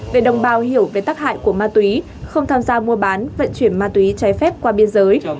để đồng bào hiểu về tác hại của ma túy không tham gia mua bán vận chuyển ma túy trái phép qua biên giới